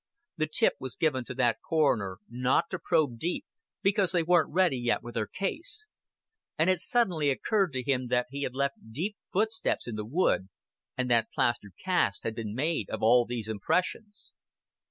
The tip was given to that coroner not to probe deep, because they weren't ready yet with their case;" and it suddenly occurred to him that he had left deep footsteps in the wood, and that plaster casts had been made of all these impressions.